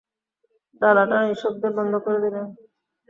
ডালাটা নিঃশব্দে বন্ধ করে দিলেন।